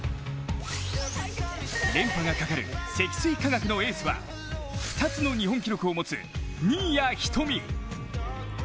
連覇がかかる積水化学のエースは２つの日本記録を持つ新谷仁美。